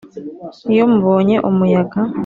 Iyo mubonye umuyaga